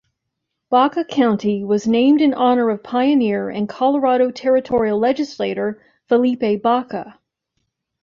Baca County was named in honor of pioneer and Colorado territorial legislator Felipe Baca.